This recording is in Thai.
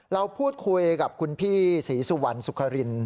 แล้วพูดคุยกับคุณพี่ศีซู่รรณสุขริน